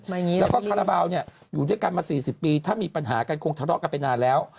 แล้วก็คาราบาลเนี่ยอยู่ด้วยกันมา๔๐ปีถ้ามีปัญหากันคงทะเลาะกันไปนานแล้ว